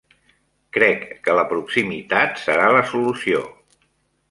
Crec que la proximitat serà la solució.